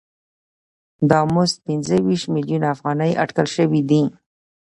دا مزد پنځه ویشت میلیونه افغانۍ اټکل شوی دی